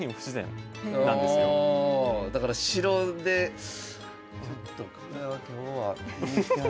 だから城でちょっとこれはみたいな。